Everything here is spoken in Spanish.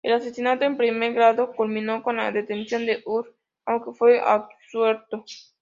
El asesinato en primer grado culminó con la detención de Durst, aunque fue absuelto.